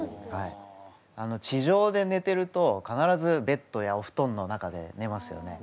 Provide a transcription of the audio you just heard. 地上でねてると必ずベッドやおふとんの中でねますよね。